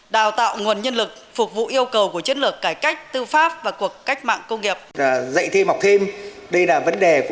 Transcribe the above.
đào tạo nguồn nhân lực phục vụ yêu cầu của chiến lược cải cách tư pháp và cuộc cách mạng công nghiệp